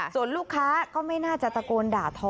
ส่วนลูกค้าก็ไม่น่าจะตะโกนด่าทอ